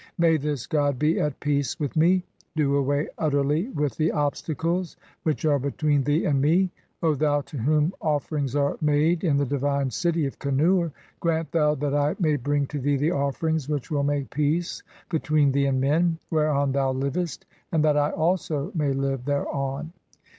"May this god be at peace with me! Do away utterly with the "(4) obstacles which are between thee and me. O thou to whom "offerings are made in the divine [city] of Kenur, 1 grant thou "that I may bring to thee the offerings which will make peace "[between thee and men] whereon thou livest, and that I also "may live thereon.